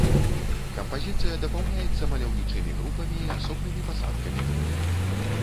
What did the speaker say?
Кампазіцыя дапаўняецца маляўнічымі групамі і асобнымі пасадкамі дрэў.